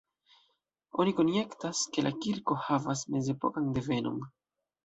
Oni konjektas, ke la kirko havas mezepokan devenon.